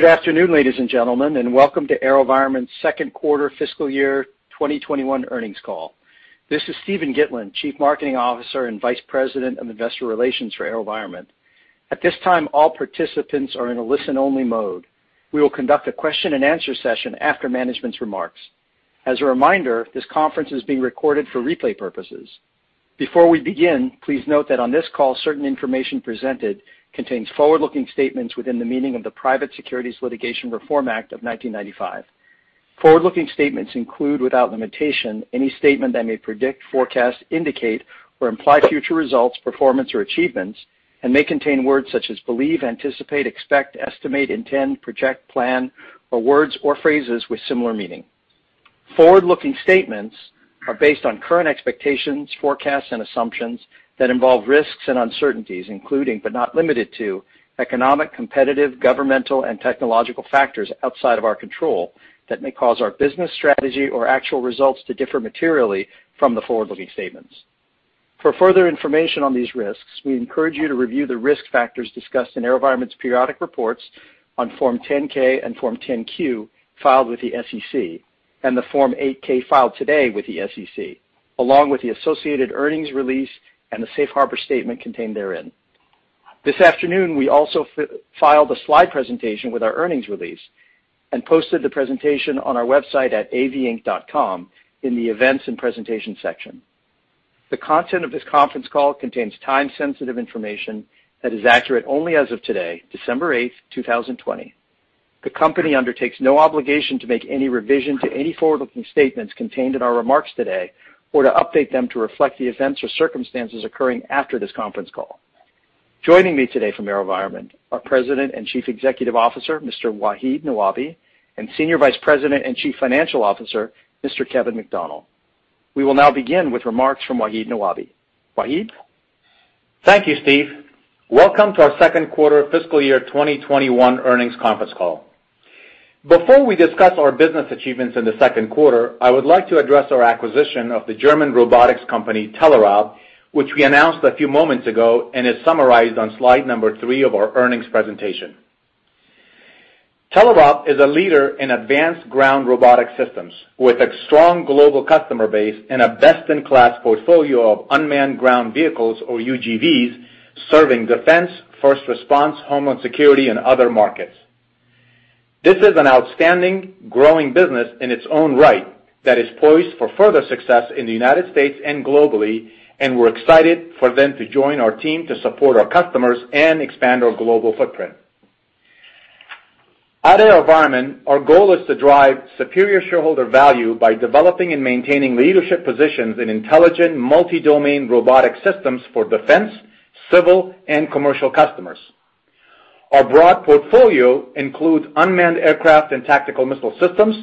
Good afternoon, ladies and gentlemen, and welcome to AeroVironment's second quarter fiscal year 2021 earnings call. This is Steven Gitlin, Chief Marketing Officer and Vice President of Investor Relations for AeroVironment. At this time, all participants are in a listen-only mode. We will conduct a question-and-answer session after management's remarks. As a reminder, this conference is being recorded for replay purposes. Before we begin, please note that on this call, certain information presented contains forward-looking statements within the meaning of the Private Securities Litigation Reform Act of 1995. Forward-looking statements include, without limitation, any statement that may predict, forecast, indicate, or imply future results, performance, or achievements, and may contain words such as believe, anticipate, expect, estimate, intend, project, plan, or words or phrases with a similar meaning. Forward-looking statements are based on current expectations, forecasts, and assumptions that involve risks and uncertainties, including but not limited to economic, competitive, governmental, and technological factors outside of our control that may cause our business strategy or actual results to differ materially from the forward-looking statements. For further information on these risks, we encourage you to review the risk factors discussed in AeroVironment's periodic reports on Form 10-K and Form 10-Q filed with the SEC, and the Form 8-K filed today with the SEC, along with the associated earnings release and the safe harbor statement contained therein. This afternoon, we also filed a slide presentation with our earnings release and posted the presentation on our website at avinc.com in the events and presentation section. The content of this conference call contains time-sensitive information that is accurate only as of today, December 8th, 2020. The company undertakes no obligation to make any revision to any forward-looking statements contained in our remarks today or to update them to reflect the events or circumstances occurring after this conference call. Joining me today from AeroVironment are President and Chief Executive Officer, Mr. Wahid Nawabi, and Senior Vice President and Chief Financial Officer, Mr. Kevin McDonnell. We will now begin with remarks from Wahid Nawabi. Wahid? Thank you, Steve. Welcome to our second quarter fiscal year 2021 earnings conference call. Before we discuss our business achievements in the second quarter, I would like to address our acquisition of the German robotics company, Telerob, which we announced a few moments ago and is summarized on slide number three of our earnings presentation. Telerob is a leader in advanced ground robotic systems with a strong global customer base and a best-in-class portfolio of unmanned ground vehicles, or UGVs, serving defense, first response, homeland security, and other markets. This is an outstanding, growing business in its own right that is poised for further success in the U.S. and globally, and we're excited for them to join our team to support our customers and expand our global footprint. At AeroVironment, our goal is to drive superior shareholder value by developing and maintaining leadership positions in intelligent, multi-domain robotic systems for defense, civil, and commercial customers. Our broad portfolio includes unmanned aircraft and Tactical Missile Systems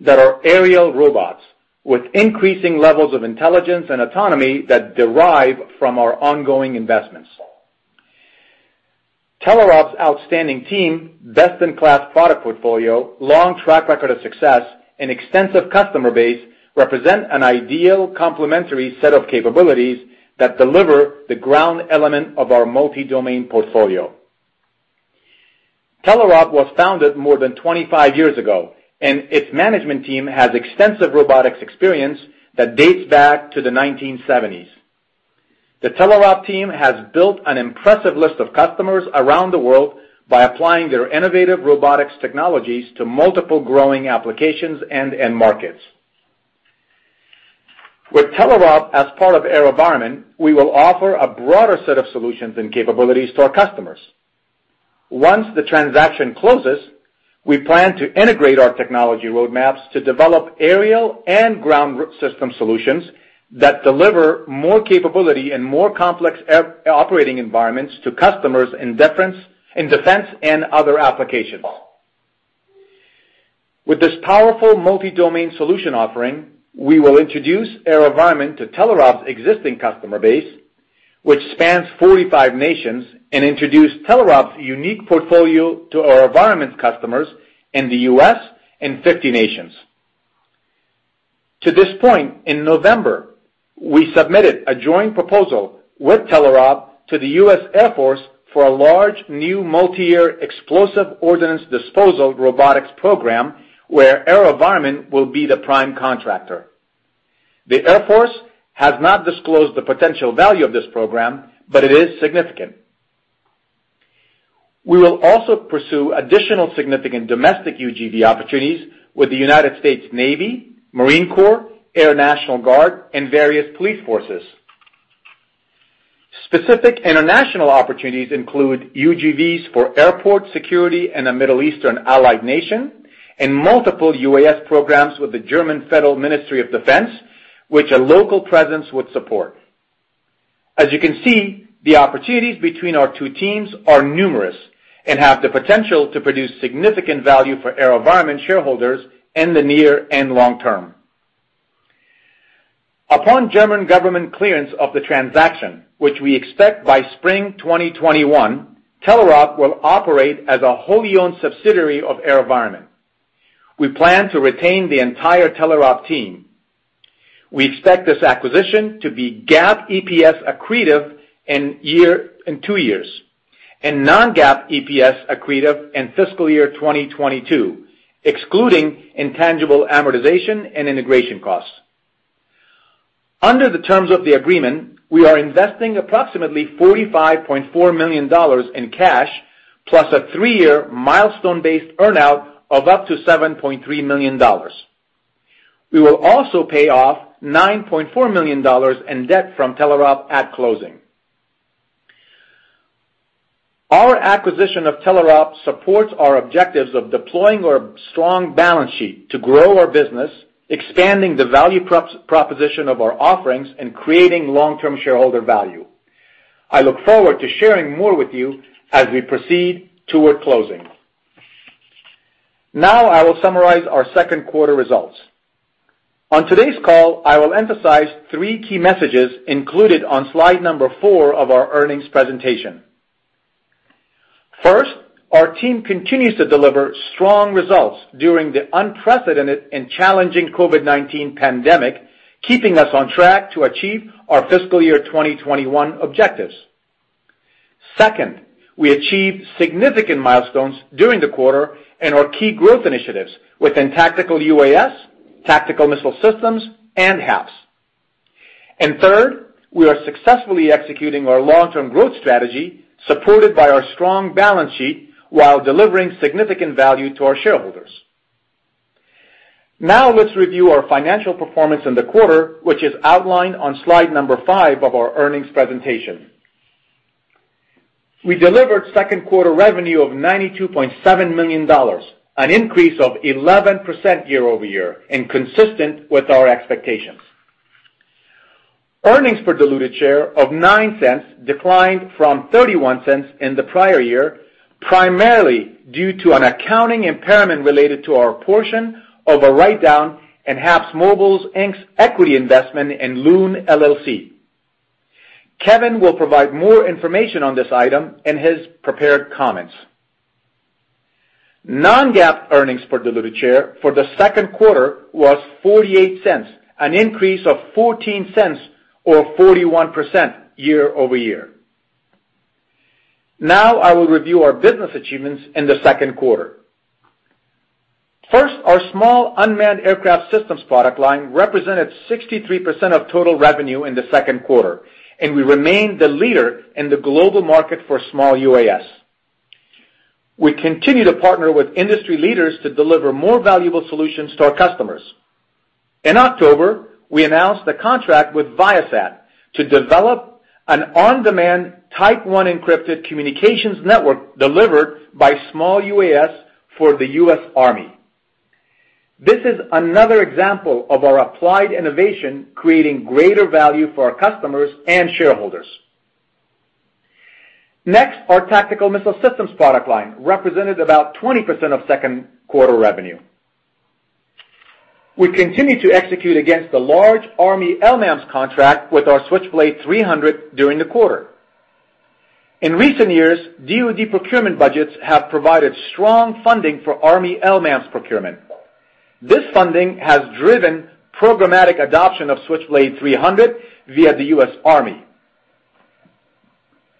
that are aerial robots with increasing levels of intelligence and autonomy that derive from our ongoing investments. Telerob's outstanding team, best-in-class product portfolio, long track record of success, and extensive customer base represent an ideal complementary set of capabilities that deliver the ground element of our multi-domain portfolio. Telerob was founded more than 25 years ago, and its management team has extensive robotics experience that dates back to the 1970s. The Telerob team has built an impressive list of customers around the world by applying their innovative robotics technologies to multiple growing applications and end markets. With Telerob as part of AeroVironment, we will offer a broader set of solutions and capabilities to our customers. Once the transaction closes, we plan to integrate our technology roadmaps to develop aerial and ground system solutions that deliver more capability and more complex operating environments to customers in defense and other applications. With this powerful multi-domain solution offering, we will introduce AeroVironment to Telerob's existing customer base, which spans 45 nations, and introduce Telerob's unique portfolio to AeroVironment's customers in the U.S. and 50 nations. To this point, in November, we submitted a joint proposal with Telerob to the U.S. Air Force for a large, new multi-year Explosive Ordnance Disposal robotics program where AeroVironment will be the prime contractor. The Air Force has not disclosed the potential value of this program, but it is significant. We will also pursue additional significant domestic UGV opportunities with the United States Navy, Marine Corps, Air National Guard, and various police forces. Specific international opportunities include UGVs for airport security in a Middle Eastern allied nation and multiple UAS programs with the German Federal Ministry of Defence, which a local presence would support. As you can see, the opportunities between our two teams are numerous and have the potential to produce significant value for AeroVironment shareholders in the near and long term. Upon German government clearance of the transaction, which we expect by Spring 2021, Telerob will operate as a wholly-owned subsidiary of AeroVironment. We plan to retain the entire Telerob team. We expect this acquisition to be GAAP EPS accretive in two years, and non-GAAP EPS accretive in fiscal year 2022, excluding intangible amortization and integration costs. Under the terms of the agreement, we are investing approximately $45.4 million in cash, plus a three-year milestone-based earn-out of up to $7.3 million. We will also pay off $9.4 million in debt from Telerob at closing. Our acquisition of Telerob supports our objectives of deploying our strong balance sheet to grow our business, expanding the value proposition of our offerings, and creating long-term shareholder value. I look forward to sharing more with you as we proceed toward closing. I will summarize our second quarter results. On today's call, I will emphasize three key messages included on slide number four of our earnings presentation. First, our team continues to deliver strong results during the unprecedented and challenging COVID-19 pandemic, keeping us on track to achieve our fiscal year 2021 objectives. We achieved significant milestones during the quarter in our key growth initiatives within Tactical UAS, Tactical Missile Systems, and HAPS. We are successfully executing our long-term growth strategy supported by our strong balance sheet while delivering significant value to our shareholders. Let's review our financial performance in the quarter, which is outlined on slide number five of our earnings presentation. We delivered second quarter revenue of $92.7 million, an increase of 11% year-over-year and consistent with our expectations. Earnings per diluted share of $0.09 declined from $0.31 in the prior year, primarily due to an accounting impairment related to our portion of a write-down in HAPSMobile Inc.'s equity investment in Loon LLC. Kevin will provide more information on this item in his prepared comments. Non-GAAP earnings per diluted share for the second quarter was $0.48, an increase of $0.14 or 41% year-over-year. I will review our business achievements in the second quarter. First, our small unmanned aircraft systems product line represented 63% of total revenue in the second quarter, and we remain the leader in the global market for small UAS. We continue to partner with industry leaders to deliver more valuable solutions to our customers. In October, we announced a contract with Viasat to develop an on-demand Type 1 encrypted communications network delivered by small UAS for the U.S. Army. This is another example of our applied innovation creating greater value for our customers and shareholders. Our Tactical Missile Systems product line represented about 20% of second quarter revenue. We continue to execute against the large Army LMAMS contract with our Switchblade 300 during the quarter. In recent years, DoD procurement budgets have provided strong funding for Army LMAMS procurement. This funding has driven programmatic adoption of Switchblade 300 via the U.S. Army.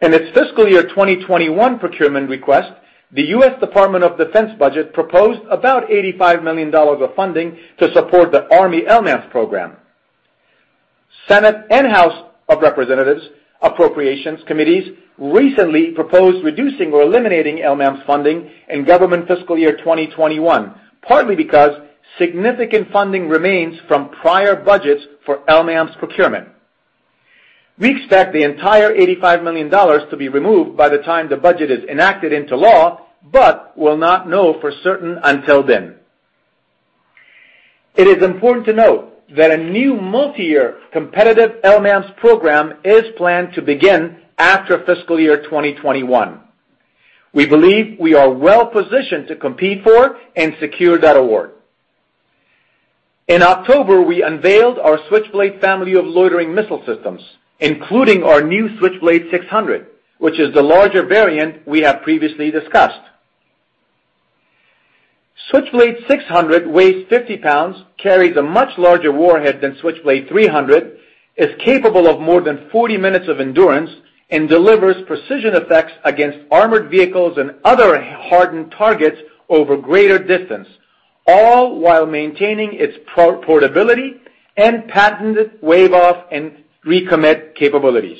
In its fiscal year 2021 procurement request, the U.S. Department of Defense budget proposed about $85 million of funding to support the Army LMAMS program. Senate and House of Representatives Appropriations Committees recently proposed reducing or eliminating LMAMS funding in government fiscal year 2021, partly because significant funding remains from prior budgets for LMAMS procurement. We expect the entire $85 million to be removed by the time the budget is enacted into law, but we'll not know for certain until then. It is important to note that a new multi-year competitive LMAMS program is planned to begin after fiscal year 2021. We believe we are well positioned to compete for and secure that award. In October, we unveiled our Switchblade family of loitering missile systems, including our new Switchblade 600, which is the larger variant we have previously discussed. Switchblade 600 weighs 50 pounds, carries a much larger warhead than Switchblade 300, is capable of more than 40 minutes of endurance, and delivers precision effects against armored vehicles and other hardened targets over greater distance, all while maintaining its portability and patented wave-off and recommit capabilities.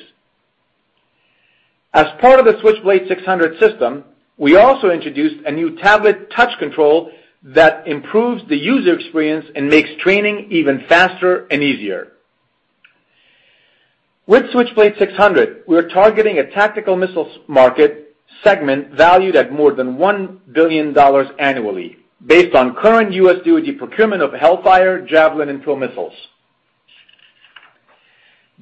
As part of the Switchblade 600 system, we also introduced a new tablet touch control that improves the user experience and makes training even faster and easier. With Switchblade 600, we are targeting a tactical missiles market segment valued at more than $1 billion annually based on current U.S. DoD procurement of Hellfire, Javelin, and TOW missiles.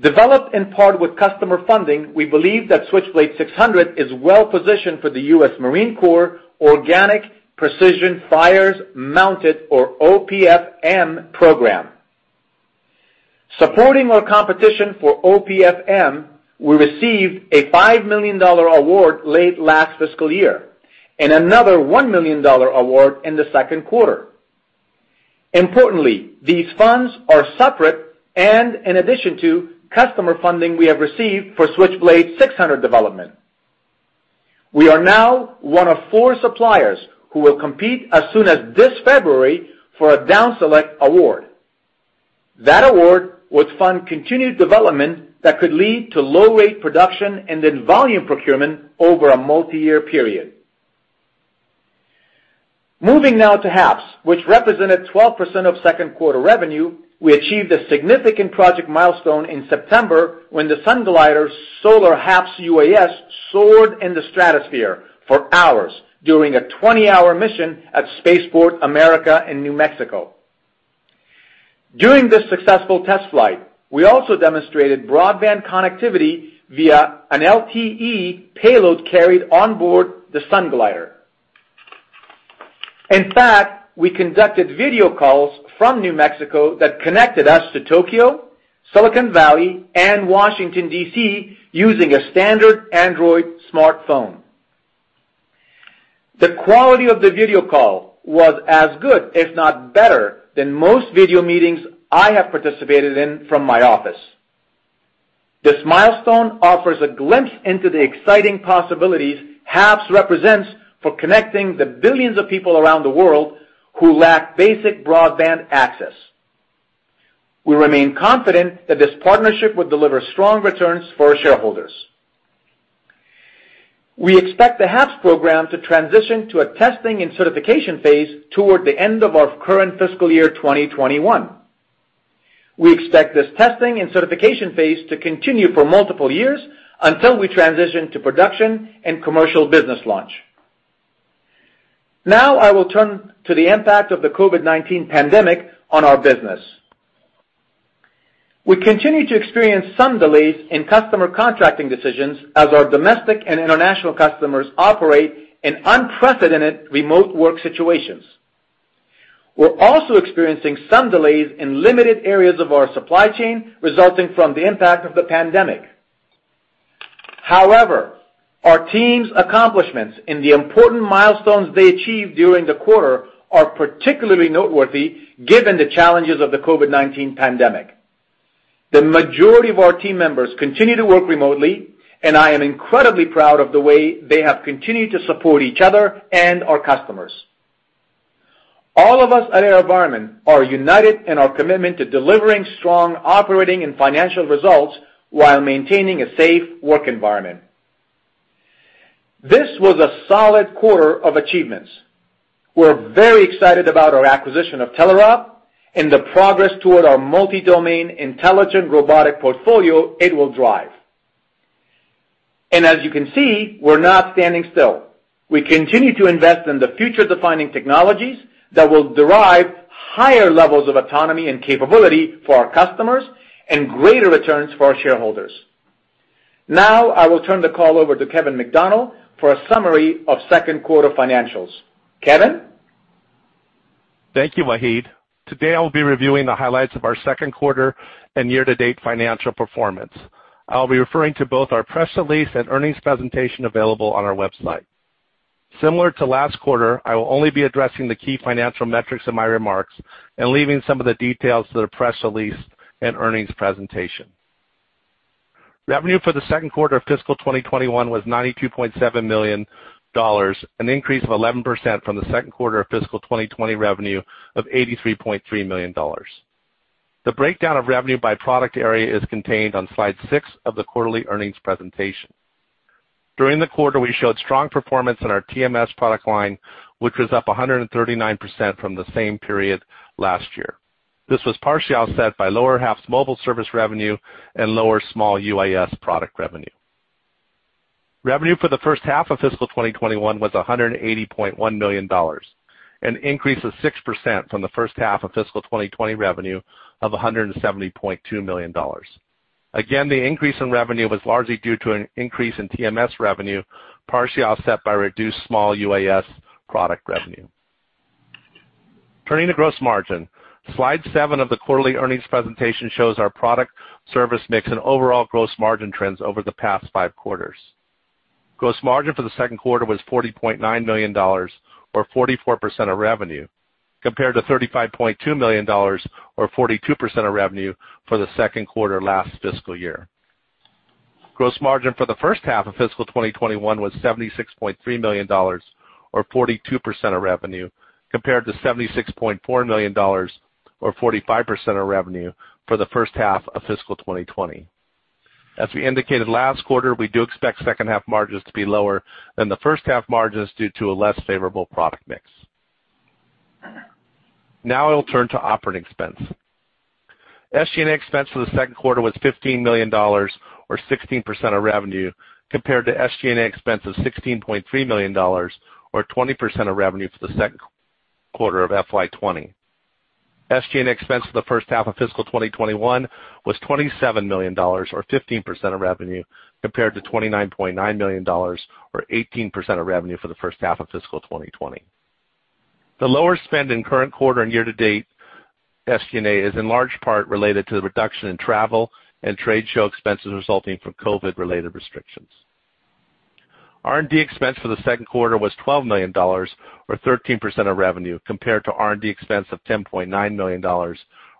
Developed in part with customer funding, we believe that Switchblade 600 is well-positioned for the U.S. Marine Corps Organic Precision Fires-Mounted or OPFM program. Supporting our competition for OPFM, we received a $5 million award late last fiscal year. Another $1 million award in the second quarter. Importantly, these funds are separate and in addition to customer funding we have received for Switchblade 600 development. We are now one of four suppliers who will compete as soon as this February for a down-select award. That award would fund continued development that could lead to low rate production and then volume procurement over a multi-year period. Moving now to HAPS, which represented 12% of second quarter revenue. We achieved a significant project milestone in September when the Sunglider solar HAPS UAS soared in the stratosphere for hours during a 20-hour mission at Spaceport America in New Mexico. During this successful test flight, we also demonstrated broadband connectivity via an LTE payload carried onboard the Sunglider. In fact, we conducted video calls from New Mexico that connected us to Tokyo, Silicon Valley and Washington, D.C. using a standard Android smartphone. The quality of the video call was as good, if not better, than most video meetings I have participated in from my office. This milestone offers a glimpse into the exciting possibilities HAPS represents for connecting the billions of people around the world who lack basic broadband access. We remain confident that this partnership will deliver strong returns for our shareholders. We expect the HAPS program to transition to a testing and certification phase toward the end of our current fiscal year 2021. We expect this testing and certification phase to continue for multiple years until we transition to production and commercial business launch. Now I will turn to the impact of the COVID-19 pandemic on our business. We continue to experience some delays in customer contracting decisions as our domestic and international customers operate in unprecedented remote work situations. We are also experiencing some delays in limited areas of our supply chain, resulting from the impact of the pandemic. However, our team's accomplishments and the important milestones they achieved during the quarter are particularly noteworthy given the challenges of the COVID-19 pandemic. The majority of our team members continue to work remotely, and I am incredibly proud of the way they have continued to support each other and our customers. All of us at AeroVironment are united in our commitment to delivering strong operating and financial results while maintaining a safe work environment. This was a solid quarter of achievements. We're very excited about our acquisition of Telerob and the progress toward our multi-domain intelligent robotic portfolio it will drive. As you can see, we're not standing still. We continue to invest in the future-defining technologies that will derive higher levels of autonomy and capability for our customers and greater returns for our shareholders. Now I will turn the call over to Kevin McDonnell for a summary of second quarter financials. Kevin? Thank you, Wahid. Today I'll be reviewing the highlights of our second quarter and year-to-date financial performance. I'll be referring to both our press release and earnings presentation available on our website. Similar to last quarter, I will only be addressing the key financial metrics in my remarks and leaving some of the details to the press release and earnings presentation. Revenue for the second quarter of fiscal 2021 was $92.7 million, an increase of 11% from the second quarter of fiscal 2020 revenue of $83.3 million. The breakdown of revenue by product area is contained on slide six of the quarterly earnings presentation. During the quarter, we showed strong performance in our TMS product line, which was up 139% from the same period last year. This was partially offset by lower HAPSMobile service revenue and lower small UAS product revenue. Revenue for the first half of fiscal 2021 was $180.1 million, an increase of 6% from the first half of fiscal 2020 revenue of $170.2 million. Again, the increase in revenue was largely due to an increase in TMS revenue, partially offset by reduced small UAS product revenue. Turning to gross margin. Slide seven of the quarterly earnings presentation shows our product service mix and overall gross margin trends over the past five quarters. Gross margin for the second quarter was $40.9 million, or 44% of revenue, compared to $35.2 million, or 42% of revenue for the second quarter last fiscal year. Gross margin for the first half of fiscal 2021 was $76.3 million, or 42% of revenue, compared to $76.4 million, or 45% of revenue, for the first half of fiscal 2020. As we indicated last quarter, we do expect second half margins to be lower than the first half margins due to a less favorable product mix. I'll turn to operating expense. SG&A expense for the second quarter was $15 million, or 16% of revenue, compared to SG&A expense of $16.3 million, or 20% of revenue, for the second quarter of FY 2020. SG&A expense for the first half of fiscal 2021 was $27 million, or 15% of revenue, compared to $29.9 million, or 18% of revenue, for the first half of fiscal 2020. The lower spend in current quarter and year-to-date SG&A is in large part related to the reduction in travel and trade show expenses resulting from COVID-related restrictions. R&D expense for the second quarter was $12 million, or 13% of revenue, compared to R&D expense of $10.9 million, or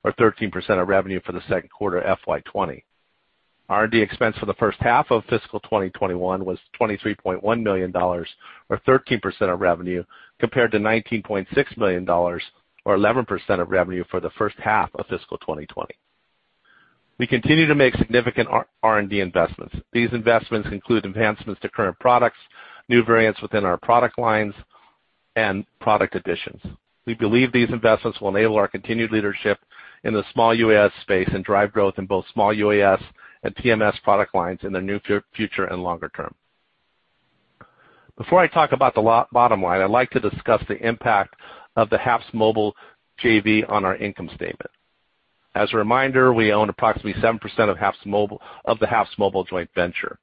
13% of revenue for the second quarter FY 2020. R&D expense for the first half of fiscal 2021 was $23.1 million, or 13% of revenue, compared to $19.6 million, or 11% of revenue for the first half of fiscal 2020. We continue to make significant R&D investments. These investments include enhancements to current products, new variants within our product lines, and product additions. We believe these investments will enable our continued leadership in the small UAS space and drive growth in both small UAS and TMS product lines in the near future and longer term. Before I talk about the bottom line, I'd like to discuss the impact of the HAPSMobile JV on our income statement. As a reminder, we own approximately 7% of the HAPSMobile joint venture.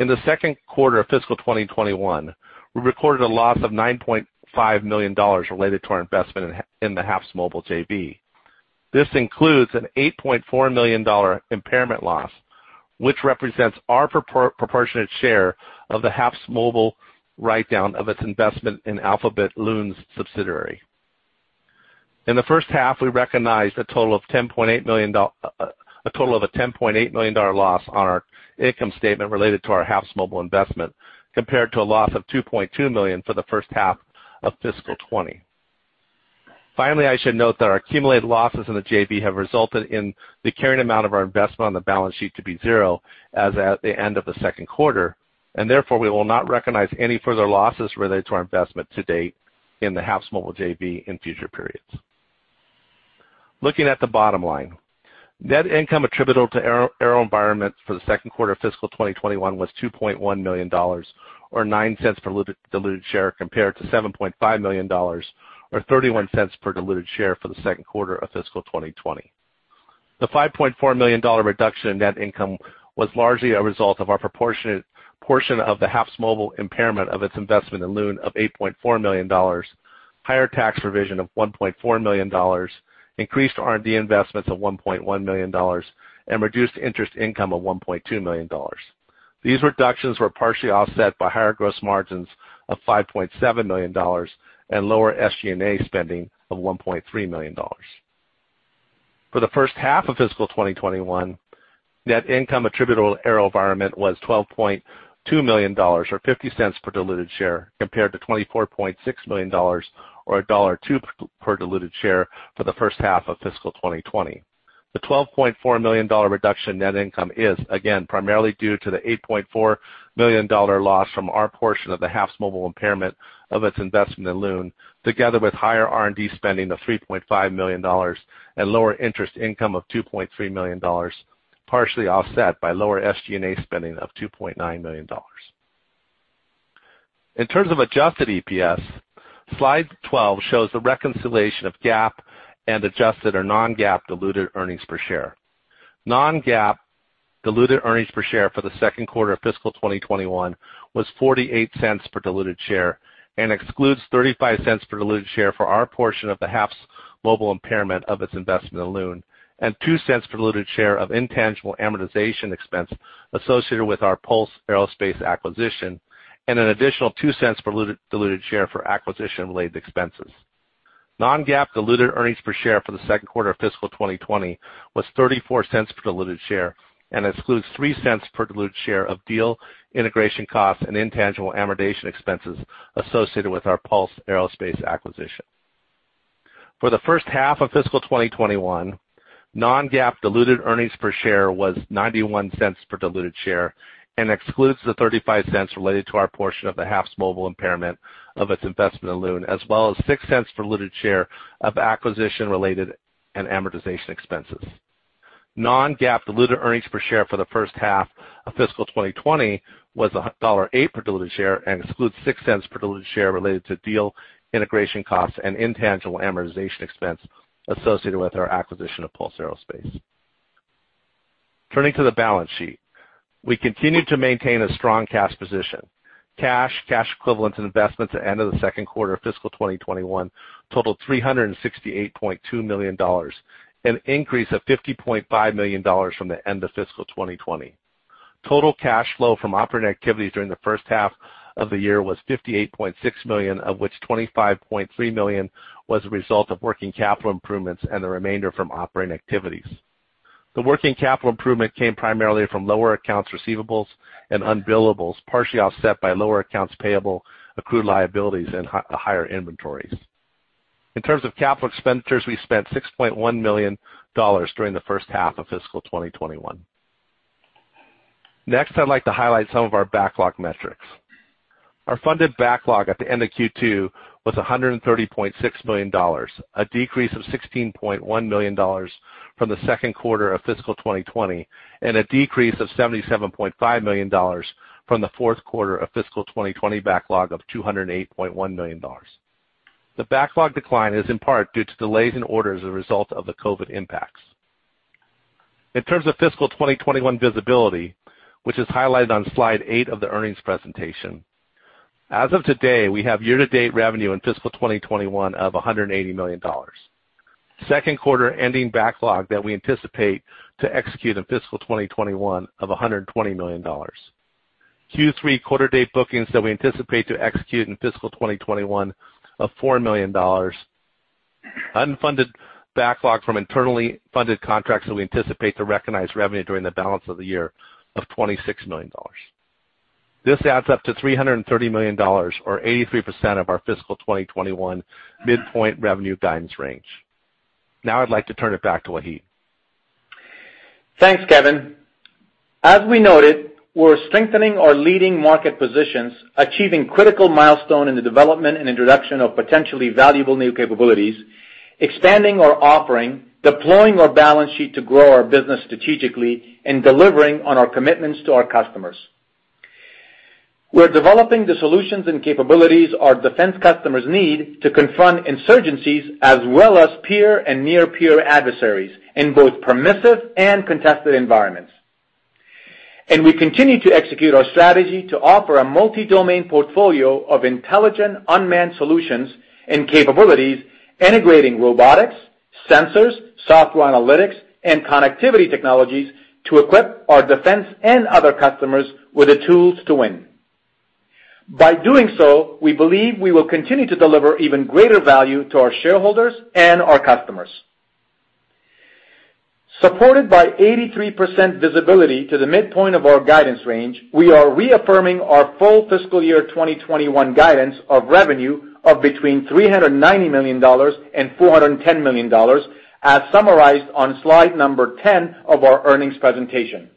In the second quarter of fiscal 2021, we recorded a loss of $9.5 million related to our investment in the HAPSMobile JV. This includes an $8.4 million impairment loss, which represents our proportionate share of the HAPSMobile write-down of its investment in Alphabet's Loon subsidiary. In the first half, we recognized a total of a $10.8 million loss on our income statement related to our HAPSMobile investment, compared to a loss of $2.2 million for the first half of fiscal 2020. Finally, I should note that our accumulated losses in the JV have resulted in the carrying amount of our investment on the balance sheet to be zero as at the end of the second quarter, and therefore, we will not recognize any further losses related to our investment to date in the HAPSMobile JV in future periods. Looking at the bottom line. Net income attributable to AeroVironment for the second quarter of fiscal 2021 was $2.1 million, or $0.09 per diluted share, compared to $7.5 million, or $0.31 per diluted share for the second quarter of fiscal 2020. The $5.4 million reduction in net income was largely a result of our portion of the HAPSMobile impairment of its investment in Loon of $8.4 million, higher tax provision of $1.4 million, increased R&D investments of $1.1 million, and reduced interest income of $1.2 million. These reductions were partially offset by higher gross margins of $5.7 million and lower SG&A spending of $1.3 million. For the first half of fiscal 2021, net income attributable to AeroVironment was $12.2 million, or $0.50 per diluted share, compared to $24.6 million, or $1.02 per diluted share for the first half of fiscal 2020. The $12.4 million reduction in net income is again primarily due to the $8.4 million loss from our portion of the HAPSMobile impairment of its investment in Loon, together with higher R&D spending of $3.5 million and lower interest income of $2.3 million, partially offset by lower SG&A spending of $2.9 million. In terms of adjusted EPS, slide 12 shows the reconciliation of GAAP and adjusted or non-GAAP diluted earnings per share. Non-GAAP diluted earnings per share for the second quarter of fiscal 2021 was $0.48 per diluted share and excludes $0.35 per diluted share for our portion of the HAPSMobile impairment of its investment in Loon, and $0.02 per diluted share of intangible amortization expense associated with our Pulse Aerospace acquisition, and an additional $0.02 per diluted share for acquisition-related expenses. Non-GAAP diluted earnings per share for the second quarter of fiscal 2020 was $0.34 per diluted share and excludes $0.03 per diluted share of deal integration costs and intangible amortization expenses associated with our Pulse Aerospace acquisition. For the first half of fiscal 2021, non-GAAP diluted earnings per share was $0.91 per diluted share and excludes the $0.35 related to our portion of the HAPSMobile impairment of its investment in Loon, as well as $0.06 per diluted share of acquisition-related and amortization expenses. Non-GAAP diluted earnings per share for the first half of fiscal 2020 was $1.08 per diluted share and excludes $0.06 per diluted share related to deal integration costs and intangible amortization expense associated with our acquisition of Pulse Aerospace. Turning to the balance sheet. We continue to maintain a strong cash position. Cash, cash equivalents, and investments at end of the second quarter of fiscal 2021 totaled $368.2 million, an increase of $50.5 million from the end of fiscal 2020. Total cash flow from operating activities during the first half of the year was $58.6 million, of which $25.3 million was a result of working capital improvements and the remainder from operating activities. The working capital improvement came primarily from lower accounts receivables and unbillables, partially offset by lower accounts payable, accrued liabilities, and higher inventories. In terms of capital expenditures, we spent $6.1 million during the first half of fiscal 2021. Next, I'd like to highlight some of our backlog metrics. Our funded backlog at the end of Q2 was $130.6 million, a decrease of $16.1 million from the second quarter of fiscal 2020, and a decrease of $77.5 million from the fourth quarter of fiscal 2020 backlog of $208.1 million. The backlog decline is in part due to delays in orders as a result of the COVID-19 impacts. In terms of fiscal 2021 visibility, which is highlighted on slide eight of the earnings presentation. As of today, we have year-to-date revenue in fiscal 2021 of $180 million. Second quarter ending backlog that we anticipate to execute in fiscal 2021 of $120 million. Q3 quarter date bookings that we anticipate to execute in fiscal 2021 of $4 million. Unfunded backlog from internally funded contracts that we anticipate to recognize revenue during the balance of the year of $26 million. This adds up to $330 million, or 83% of our fiscal 2021 midpoint revenue guidance range. I'd like to turn it back to Wahid. Thanks, Kevin. As we noted, we're strengthening our leading market positions, achieving critical milestone in the development and introduction of potentially valuable new capabilities, expanding our offering, deploying our balance sheet to grow our business strategically, and delivering on our commitments to our customers. We're developing the solutions and capabilities are defense customers need to confront insurgency as well as peer and near-peer adversaries. We continue to execute our strategy to offer a multi-domain portfolio of intelligent unmanned solutions and capabilities, integrating robotics, sensors, software analytics, and connectivity technologies to equip our defense and other customers with the tools to win. By doing so, we believe we will continue to deliver even greater value to our shareholders and our customers. Supported by 83% visibility to the midpoint of our guidance range, we are reaffirming our full fiscal year 2021 guidance of revenue of between $390 million and $410 million, as summarized on slide number 10 of our earnings presentation.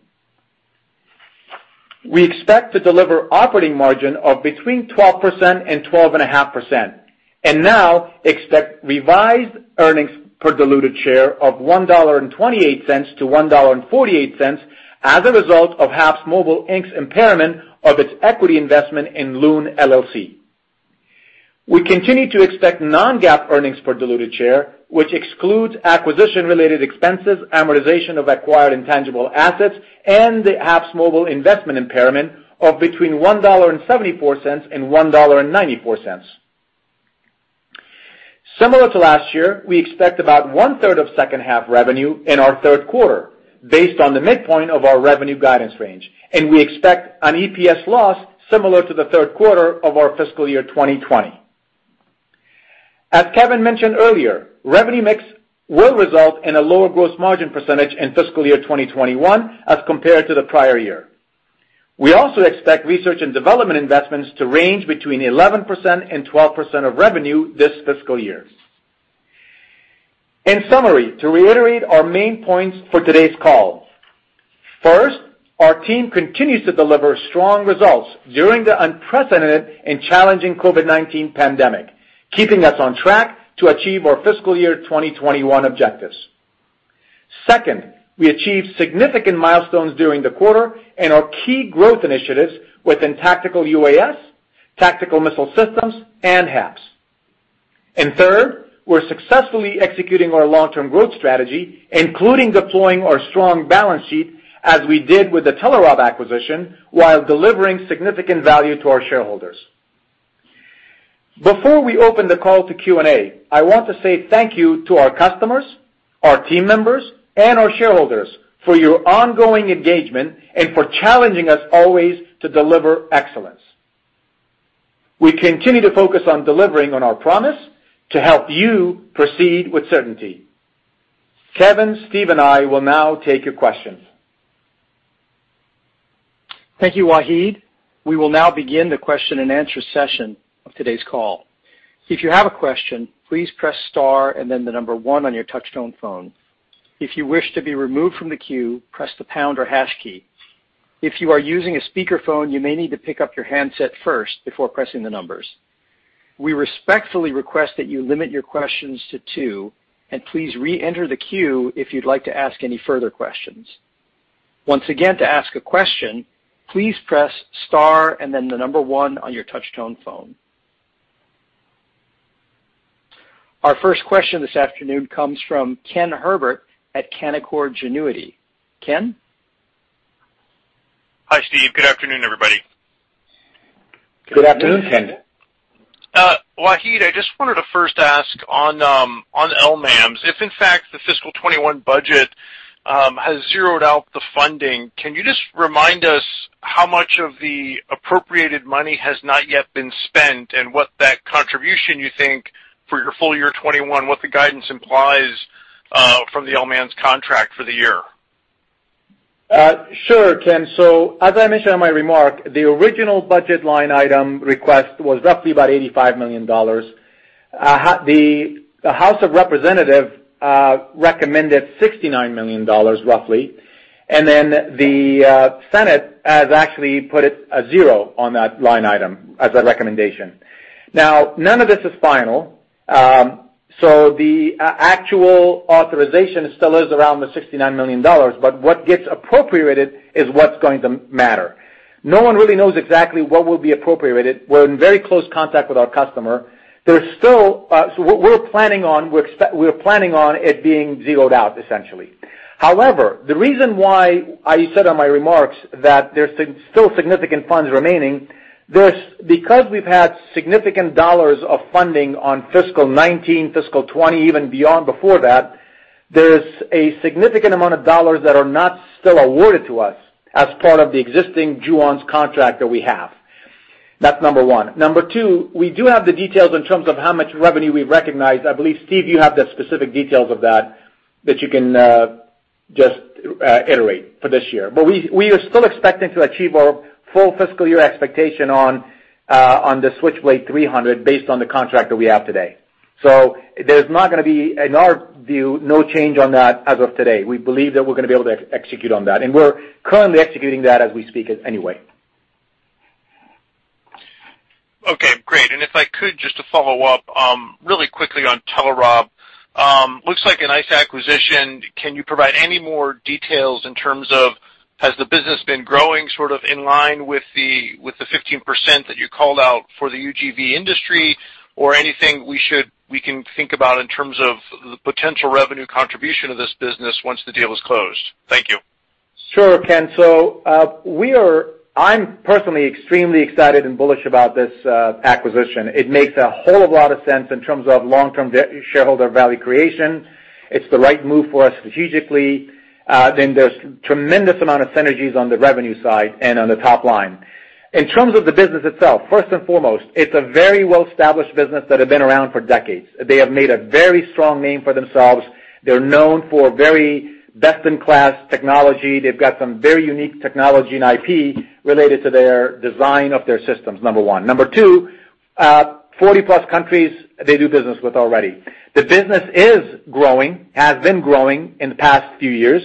We expect to deliver operating margin of between 12% and 12.5%, and now expect revised earnings per diluted share of $1.28-$1.48 as a result of HAPSMobile Inc.'s impairment of its equity investment in Loon LLC. We continue to expect non-GAAP earnings per diluted share, which excludes acquisition-related expenses, amortization of acquired intangible assets, and the HAPSMobile investment impairment of between $1.74 and $1.94. Similar to last year, we expect about 1/3 of second half revenue in our third quarter, based on the midpoint of our revenue guidance range, and we expect an EPS loss similar to the third quarter of our fiscal year 2020. As Kevin McDonnell mentioned earlier, revenue mix will result in a lower gross margin percent in fiscal year 2021 as compared to the prior year. We also expect research and development investments to range between 11% and 12% of revenue this fiscal year. In summary, to reiterate our main points for today's call. First, our team continues to deliver strong results during the unprecedented and challenging COVID-19 pandemic, keeping us on track to achieve our fiscal year 2021 objectives. Second, we achieved significant milestones during the quarter and our key growth initiatives within tactical UAS, Tactical Missile Systems, and HAPS. Third, we're successfully executing our long-term growth strategy, including deploying our strong balance sheet as we did with the Telerob acquisition, while delivering significant value to our shareholders. Before we open the call to Q&A, I want to say thank you to our customers, our team members, and our shareholders for your ongoing engagement and for challenging us always to deliver excellence. We continue to focus on delivering on our promise to help you proceed with certainty. Kevin, Steve, and I will now take your questions. Thank you, Wahid. We will now begin the question-and-answer session of today's call. If you have a question, please press star and then the number one on your touchtone phone. If you wish to be removed from the queue, press the pound or hash key. If you are using a speakerphone, you may need to pick up your handset first before pressing the numbers. We respectfully request that you limit your questions to two, and please re-enter the queue if you'd like to ask any further questions. Once again, to ask a question, please press star and then the number one on your touchtone phone. Our first question this afternoon comes from Ken Herbert at Canaccord Genuity. Ken? Hi, Steve. Good afternoon, everybody. Good afternoon, Ken. Wahid, I just wanted to first ask on LMAMS, if in fact the fiscal 2021 budget has zeroed out the funding, can you just remind us how much of the appropriated money has not yet been spent and what that contribution you think for your full-year 2021, what the guidance implies from the LMAMS contract for the year? Sure, Ken. As I mentioned in my remark, the original budget line item request was roughly about $85 million. The House of Representatives recommended $69 million, roughly. The Senate has actually put a zero on that line item as a recommendation. Now, none of this is final. The actual authorization still is around the $69 million, but what gets appropriated is what's going to matter. No one really knows exactly what will be appropriated. We're in very close contact with our customer. We're planning on it being zeroed out, essentially. However, the reason why I said on my remarks that there's still significant funds remaining, because we've had significant dollars of funding on FY 2019, FY 2020, even before that, there's a significant amount of dollars that are not still awarded to us as part of the existing JUONS contract that we have. That's number one. Number two, we do have the details in terms of how much revenue we've recognized. I believe, Steve, you have the specific details of that you can just iterate for this year. We are still expecting to achieve our full fiscal year expectation on the Switchblade 300 based on the contract that we have today. There's not going to be, in our view, no change on that as of today. We believe that we're going to be able to execute on that, and we're currently executing that as we speak anyway. Okay, great. If I could just to follow up really quickly on Telerob. Looks like a nice acquisition. Can you provide any more details in terms of has the business been growing sort of in line with the 15% that you called out for the UGV industry? Anything we can think about in terms of the potential revenue contribution of this business once the deal is closed? Thank you. Sure, Ken. I'm personally extremely excited and bullish about this acquisition. It makes a whole lot of sense in terms of long-term shareholder value creation. It's the right move for us strategically, and there's tremendous amount of synergies on the revenue side and on the top line. In terms of the business itself, first and foremost, it's a very well-established business that had been around for decades. They have made a very strong name for themselves. They're known for very best-in-class technology. They've got some very unique technology and IP related to their design of their systems, number one. Number two, 40-plus countries they do business with already. The business is growing, has been growing in the past few years.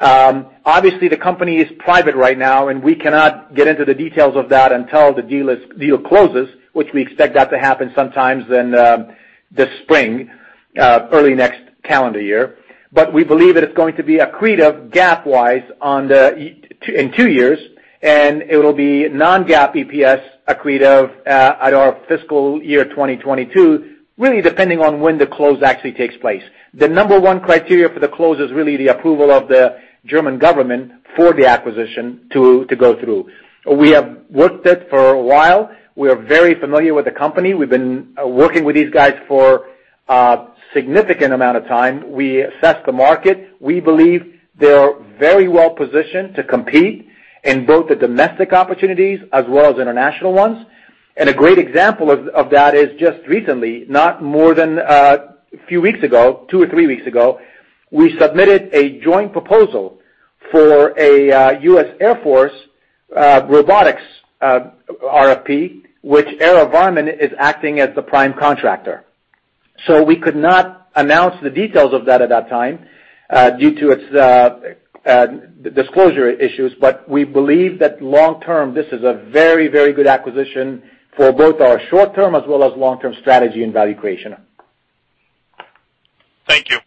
The company is private right now and we cannot get into the details of that until the deal closes, which we expect that to happen sometimes in this spring, early next calendar year. We believe that it's going to be accretive GAAP-wise in two years, and it'll be non-GAAP EPS accretive at our fiscal year 2022, really depending on when the close actually takes place. The number one criteria for the close is really the approval of the German government for the acquisition to go through. We have worked it for a while. We are very familiar with the company. We've been working with these guys for a significant amount of time. We assess the market. We believe they are very well-positioned to compete in both the domestic opportunities as well as international ones. A great example of that is just recently, not more than a few weeks ago, two or three weeks ago, we submitted a joint proposal for a U.S. Air Force robotics RFP, which AeroVironment is acting as the prime contractor. We could not announce the details of that at that time due to its disclosure issues. We believe that long term, this is a very good acquisition for both our short-term as well as long-term strategy and value creation. Thank you.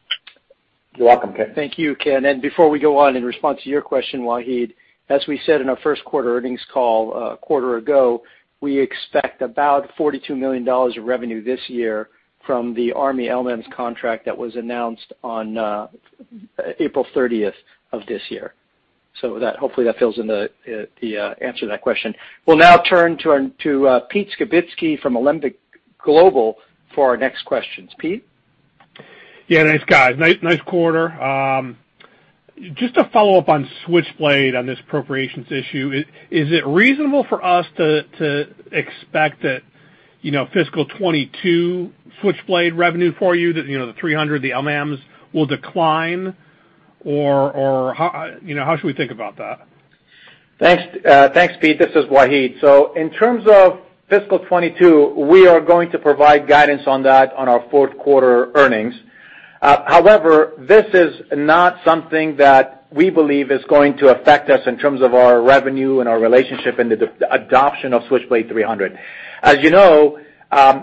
You're welcome, Ken. Thank you, Ken. Before we go on, in response to your question, Wahid, as we said in our first quarter earnings call a quarter ago, we expect about $42 million of revenue this year from the U.S. Army LMAMS contract that was announced on April 30th of this year. Hopefully that fills in the answer to that question. We'll now turn to Pete Skibitski from Alembic Global for our next questions. Pete? Yeah, thanks, guys. Nice quarter. Just to follow up on Switchblade on this appropriations issue, is it reasonable for us to expect that fiscal 2022 Switchblade revenue for you, the 300, the LMAMS, will decline? How should we think about that? Thanks, Pete. This is Wahid. In terms of fiscal 2022, we are going to provide guidance on that on our fourth-quarter earnings. However, this is not something that we believe is going to affect us in terms of our revenue and our relationship and the adoption of Switchblade 300. As you know,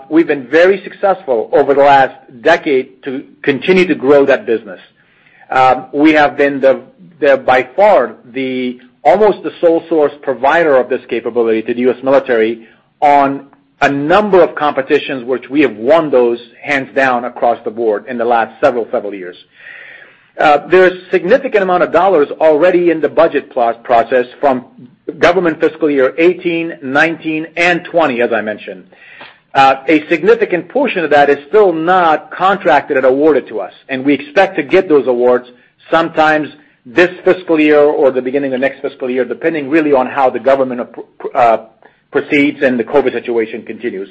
we've been very successful over the last decade to continue to grow that business. We have been, by far, almost the sole source provider of this capability to the U.S. military on a number of competitions, which we have won those hands down across the board in the last several years. There's significant amount of dollars already in the budget process from government fiscal year 2018, 2019, and 2020, as I mentioned. A significant portion of that is still not contracted and awarded to us, and we expect to get those awards sometimes this fiscal year or the beginning of next fiscal year, depending really on how the government proceeds and the COVID situation continues.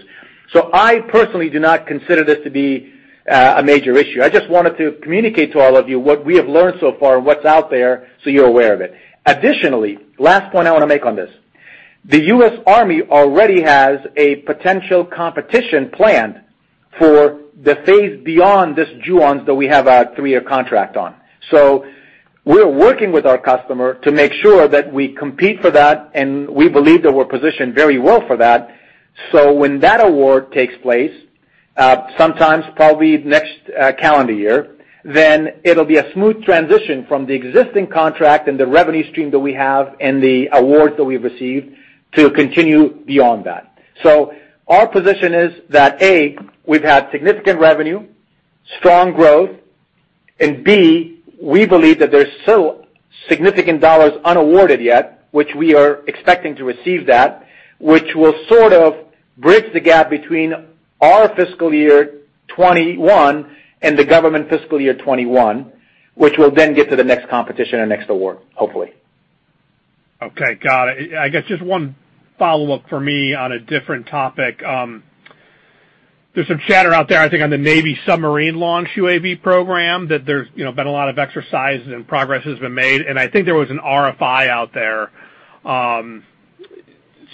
I personally do not consider this to be a major issue. I just wanted to communicate to all of you what we have learned so far and what's out there so you're aware of it. Additionally, last point I want to make on this. The US Army already has a potential competition planned for the phase beyond this JUONS that we have a three-year contract on. We're working with our customer to make sure that we compete for that, and we believe that we're positioned very well for that. When that award takes place, sometime probably next calendar year, then it'll be a smooth transition from the existing contract and the revenue stream that we have and the awards that we've received to continue beyond that. Our position is that, A, we've had significant revenue, strong growth, and B, we believe that there's still significant dollars unawarded yet, which we are expecting to receive that, which will sort of bridge the gap between our fiscal year 2021 and the government fiscal year 2021, which will then get to the next competition and next award, hopefully. Okay, got it. I guess just one follow-up for me on a different topic. There is some chatter out there, I think, on the Navy submarine launch UAV program, that there has been a lot of exercises and progress has been made, and I think there was an RFI out there.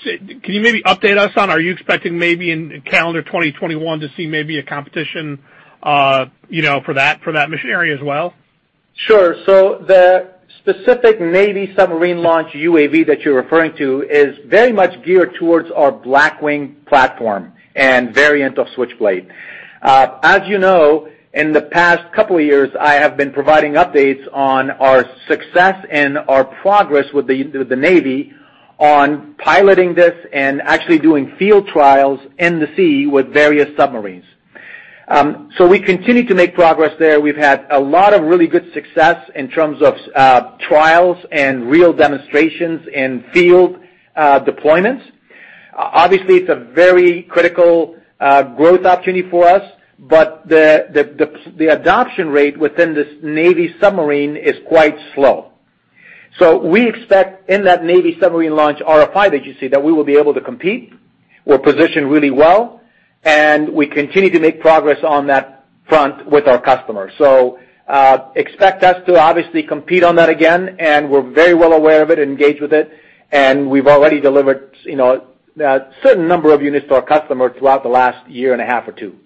Can you maybe update us on, are you expecting maybe in calendar 2021 to see maybe a competition for that mission as well? Sure. The specific Navy submarine launch UAV that you're referring to is very much geared towards our Blackwing platform and variant of Switchblade. As you know, in the past couple of years, I have been providing updates on our success and our progress with the Navy on piloting this and actually doing field trials in the sea with various submarines. We continue to make progress there. We've had a lot of really good success in terms of trials and real demonstrations in field deployments. Obviously, it's a very critical growth opportunity for us, but the adoption rate within this Navy submarine is quite slow. We expect in that Navy submarine launch RFI that you see, that we will be able to compete. We're positioned really well, and we continue to make progress on that front with our customers. Expect us to obviously compete on that again, and we're very well aware of it and engaged with it, and we've already delivered a certain number of units to our customer throughout the last year and a half or two.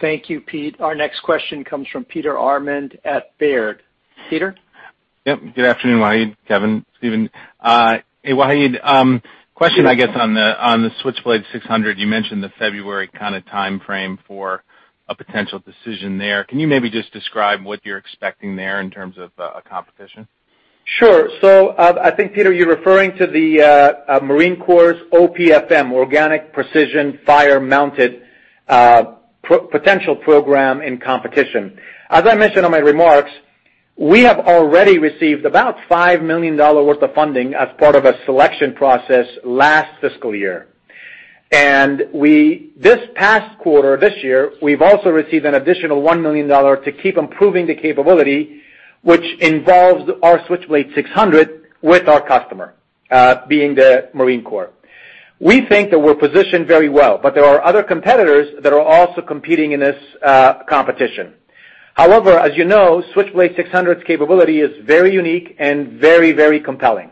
Thank you, Pete. Our next question comes from Peter Arment at Baird. Peter? Yep. Good afternoon, Wahid, Kevin, Steven. Hey, Wahid. Question, I guess, on the Switchblade 600, you mentioned the February kind of timeframe for a potential decision there. Can you maybe just describe what you're expecting there in terms of a competition? Sure. I think, Peter, you're referring to the Marine Corps OPFM, Organic Precision Fires-Mounted potential program in competition. As I mentioned on my remarks, we have already received about $5 million worth of funding as part of a selection process last fiscal year. This past quarter, this year, we've also received an additional $1 million to keep improving the capability, which involves our Switchblade 600 with our customer, being the Marine Corps. We think that we're positioned very well, there are other competitors that are also competing in this competition. However, as you know, Switchblade 600's capability is very unique and very compelling.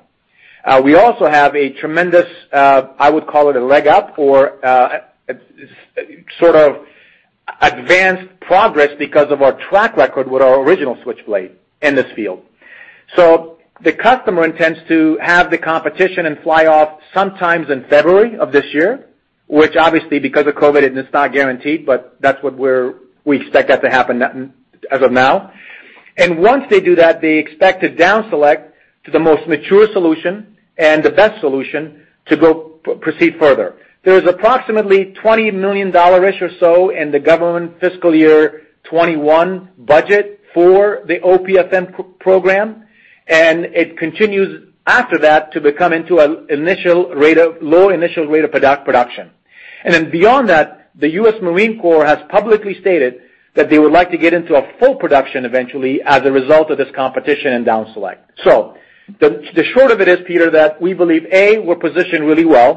We also have a tremendous, I would call it a leg up or sort of advanced progress because of our track record with our original Switchblade in this field. The customer intends to have the competition and fly off sometimes in February of this year, which obviously because of COVID, it is not guaranteed, but that's what we expect that to happen as of now. Once they do that, they expect to down select to the most mature solution and the best solution to proceed further. There is approximately $20 million-ish or so in the government fiscal year 2021 budget for the OPFM program. It continues after that to become into a low initial rate of production. Beyond that, the U.S. Marine Corps has publicly stated that they would like to get into a full production eventually as a result of this competition and down select. The short of it is, Peter, that we believe, A, we're positioned really well.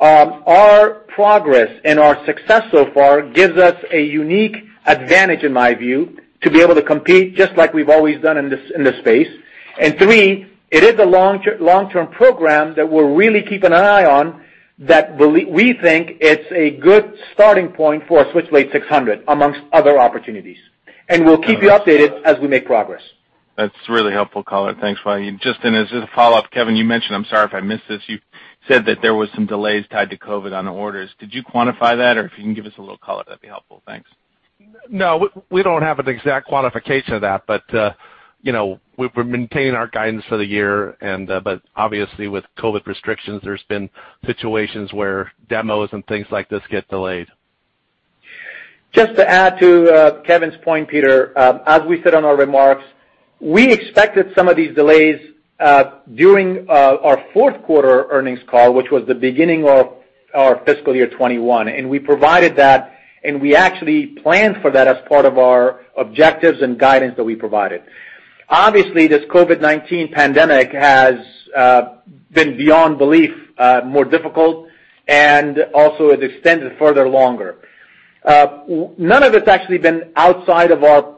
Our progress and our success so far gives us a unique advantage, in my view, to be able to compete just like we've always done in this space. Three, it is a long-term program that we're really keeping an eye on, that we think it's a good starting point for our Switchblade 600, amongst other opportunities. We'll keep you updated as we make progress. That's really helpful color. Thanks, Wahid. Just as a follow-up, Kevin, you mentioned, I'm sorry if I missed this, you said that there was some delays tied to COVID on the orders. Could you quantify that? Or if you can give us a little color, that'd be helpful. Thanks. No, we don't have an exact quantification of that, but we're maintaining our guidance for the year. Obviously, with COVID restrictions, there's been situations where demos and things like this get delayed. Just to add to Kevin's point, Peter, as we said on our remarks, we expected some of these delays during our fourth quarter earnings call, which was the beginning of our fiscal year 2021, and we provided that, and we actually planned for that as part of our objectives and guidance that we provided. Obviously, this COVID-19 pandemic has been beyond belief more difficult, and also it extended further longer. None of it's actually been outside of our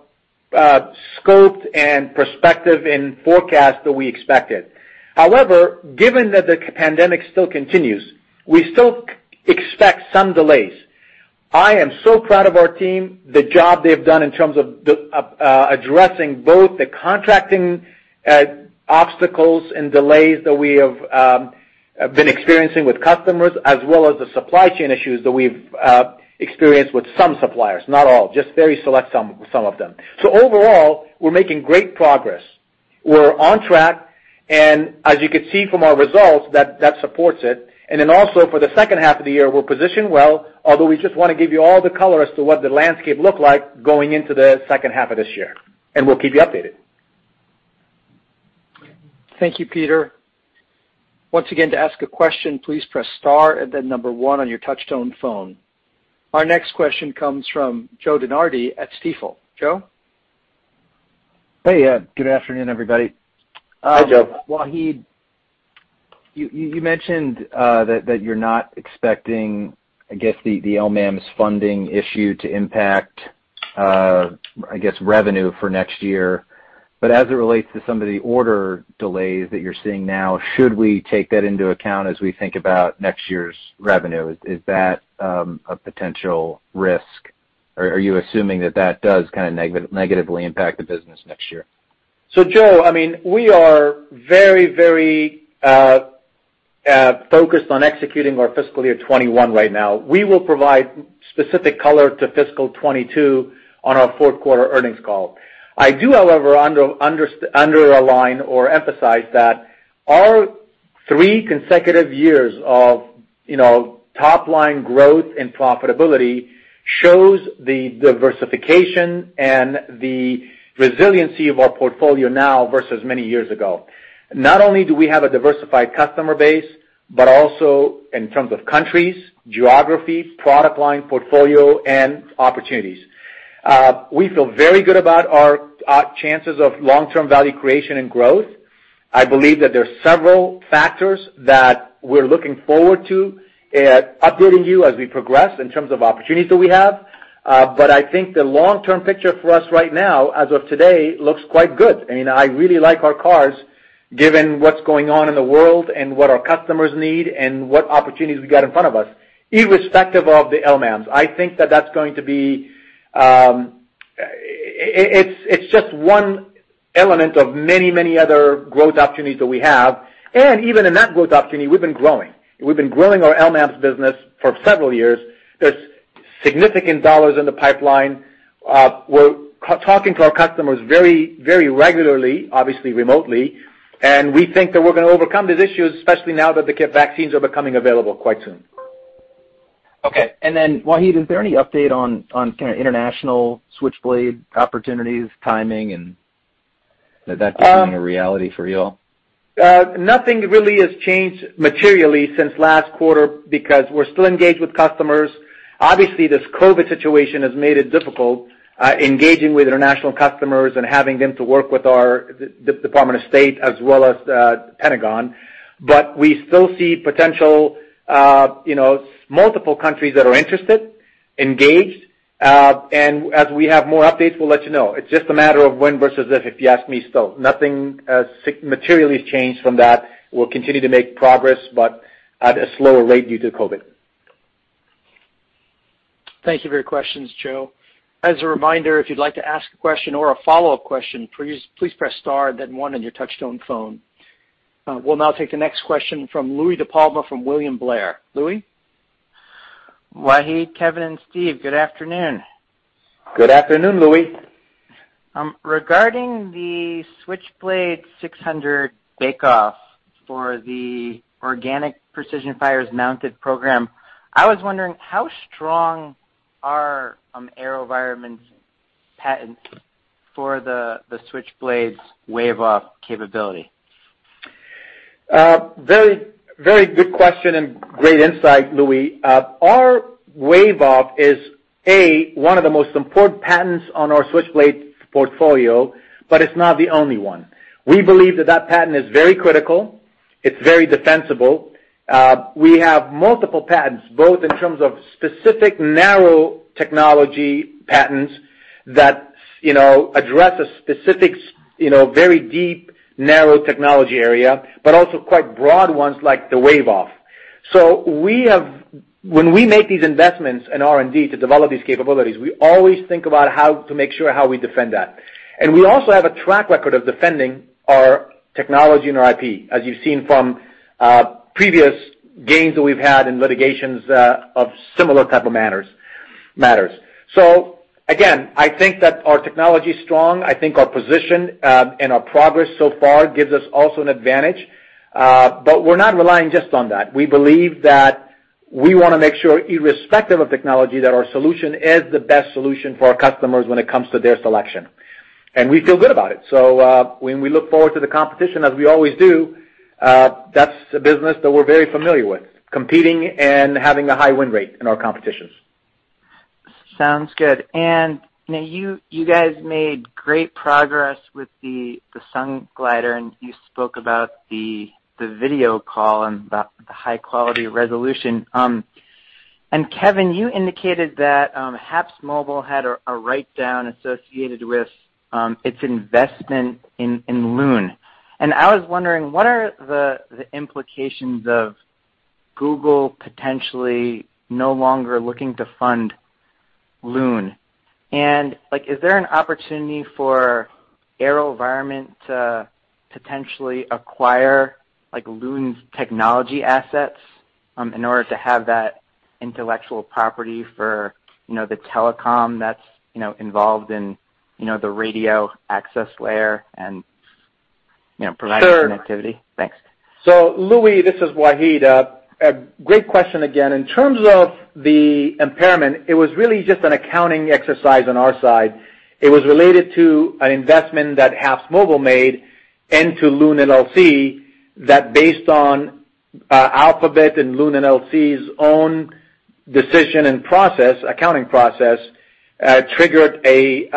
scope and perspective in forecasts that we expected. However, given that the pandemic still continues, we still expect some delays. I am so proud of our team, the job they've done in terms of addressing both the contracting obstacles and delays that we have been experiencing with customers as well as the supply chain issues that we've experienced with some suppliers, not all, just a very select some of them. Overall, we're making great progress. We're on track, as you can see from our results, that supports it. Also for the second half of the year, we're positioned well, although we just want to give you all the color as to what the landscape looked like going into the second half of this year. We'll keep you updated. Thank you, Peter. Once again, to ask a question, please press star and then number one on your touch-tone phone. Our next question comes from Joe DeNardi at Stifel. Joe? Hey. Good afternoon, everybody. Hi, Joe. Wahid, you mentioned that you're not expecting, I guess, the LMAMS funding issue to impact, I guess, revenue for next year. As it relates to some of the order delays that you're seeing now, should we take that into account as we think about next year's revenue? Is that a potential risk, or are you assuming that that does kind of negatively impact the business next year? Joe, we are very focused on executing our fiscal year 2021 right now. We will provide specific color to fiscal 2022 on our fourth quarter earnings call. I do, however, underline or emphasize that our three consecutive years of top-line growth and profitability shows the diversification and the resiliency of our portfolio now versus many years ago. Not only do we have a diversified customer base, but also in terms of countries, geographies, product line portfolio, and opportunities. We feel very good about our chances of long-term value creation and growth. I believe that there are several factors that we're looking forward to updating you as we progress in terms of opportunities that we have. I think the long-term picture for us right now, as of today, looks quite good. I really like our cards given what's going on in the world and what our customers need and what opportunities we got in front of us, irrespective of the LMAMS. It's just one element of many other growth opportunities that we have. Even in that growth opportunity, we've been growing. We've been growing our LMAMS business for several years. There's significant dollars in the pipeline. We're talking to our customers very regularly, obviously remotely, and we think that we're going to overcome these issues, especially now that the vaccines are becoming available quite soon. Okay. Wahid, is there any update on kind of international Switchblade opportunities, timing, and that becoming a reality for you all? Nothing really has changed materially since last quarter because we're still engaged with customers. Obviously, this COVID-19 situation has made it difficult engaging with international customers and having them to work with our Department of State as well as the Pentagon. We still see potential multiple countries that are interested, engaged, and as we have more updates, we'll let you know. It's just a matter of when versus if you ask me still. Nothing has materially changed from that. We'll continue to make progress, but at a slower rate due to COVID-19. Thank you for your questions, Joe. As a reminder, if you'd like to ask a question or a follow-up question, We'll now take the next question from Louie DiPalma from William Blair. Louie? Wahid, Kevin, and Steven, good afternoon. Good afternoon, Louie. Regarding the Switchblade 600 bake-off for the Organic Precision Fires-Mounted program, I was wondering how strong are AeroVironment's patents for the Switchblade's wave-off capability? Very good question and great insight, Louie. Our wave-off is, A, one of the most important patents on our Switchblade portfolio, but it's not the only one. We believe that that patent is very critical. It's very defensible. We have multiple patents, both in terms of specific narrow technology patents that address a specific, very deep, narrow technology area, but also quite broad ones like the wave-off. When we make these investments in R&D to develop these capabilities, we always think about how to make sure how we defend that. We also have a track record of defending our technology and our IP, as you've seen from previous gains that we've had in litigations of similar type of matters. Again, I think that our technology is strong. I think our position and our progress so far gives us also an advantage. We're not relying just on that. We believe that we want to make sure, irrespective of technology, that our solution is the best solution for our customers when it comes to their selection. We feel good about it. When we look forward to the competition, as we always do, that's a business that we're very familiar with, competing and having a high win rate in our competitions. Sounds good. Now you guys made great progress with the Sunglider, and you spoke about the video call and about the high-quality resolution. Kevin, you indicated that HAPSMobile had a write-down associated with its investment in Loon. I was wondering, what are the implications of Google potentially no longer looking to fund Loon? Is there an opportunity for AeroVironment to potentially acquire Loon's technology assets in order to have that intellectual property for the telecom that's involved in the radio access layer and providing connectivity? Thanks. Louie, this is Wahid. A great question again. In terms of the impairment, it was really just an accounting exercise on our side. It was related to an investment that HAPSMobile made into Loon LLC that based on Alphabet and Loon LLC's own decision and accounting process, triggered a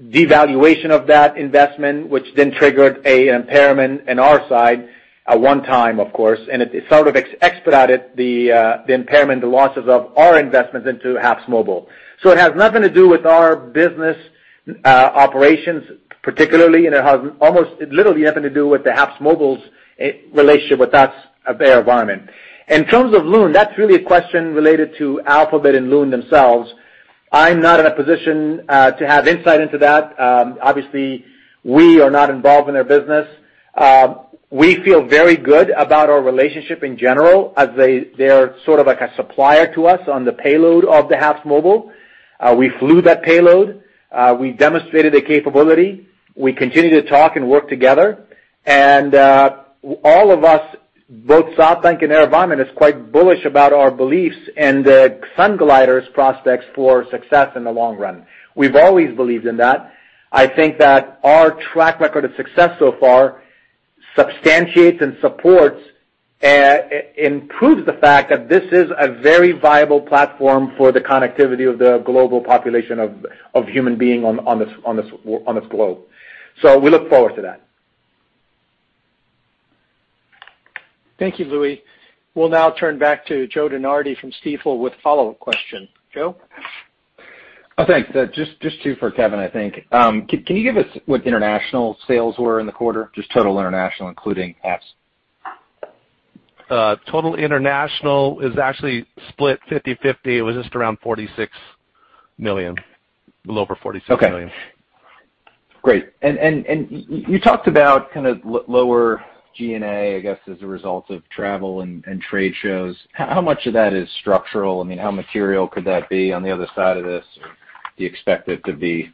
devaluation of that investment, which then triggered an impairment in our side at one time, of course, and it sort of expedited the impairment, the losses of our investments into HAPSMobile. It has nothing to do with our business operations particularly, and it has literally nothing to do with the HAPSMobile's relationship with us at AeroVironment. In terms of Loon, that's really a question related to Alphabet and Loon themselves. I'm not in a position to have insight into that. Obviously, we are not involved in their business. We feel very good about our relationship in general as they are sort of like a supplier to us on the payload of the HAPSMobile. We flew that payload. We demonstrated the capability. We continue to talk and work together. All of us, both SoftBank and AeroVironment, is quite bullish about our beliefs in the Sunglider prospects for success in the long run. We've always believed in that. I think that our track record of success so far substantiates and supports, and proves the fact that this is a very viable platform for the connectivity of the global population of human beings on this globe. We look forward to that. Thank you, Louie. We'll now turn back to Joe DeNardi from Stifel with follow-up question. Joe? Oh, thanks. Just two for Kevin, I think. Can you give us what the international sales were in the quarter? Just total international, including HAPS. Total international is actually split 50/50. It was just around $46 million. A little over $46 million. Okay. Great. You talked about kind of lower G&A, I guess, as a result of travel and trade shows. How much of that is structural? I mean, how material could that be on the other side of this? Do you expect it to be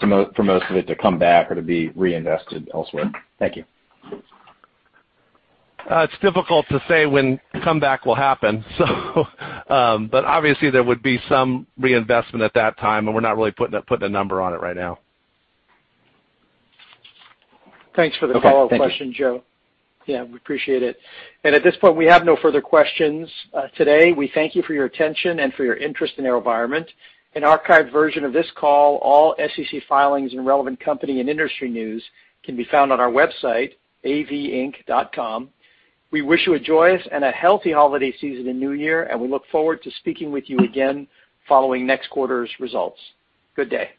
for most of it to come back or to be reinvested elsewhere? Thank you. It's difficult to say when comeback will happen. Obviously, there would be some reinvestment at that time, and we're not really putting a number on it right now. Thanks for the follow-up question, Joe. Okay. Thank you. Yeah, we appreciate it. At this point, we have no further questions today. We thank you for your attention and for your interest in AeroVironment. An archived version of this call, all SEC filings, and relevant company and industry news can be found on our website, avinc.com. We wish you a joyous and a healthy holiday season and new year, and we look forward to speaking with you again following next quarter's results. Good day.